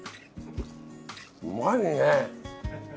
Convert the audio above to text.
うまいね！